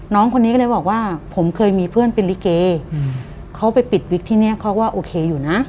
น้องคนนี้ก็เลยบอกว่าผมเคยมีเพื่อนเป็นลิเกเขาไปปิดวิกที่เนี้ยเขาก็โอเคอยู่นะ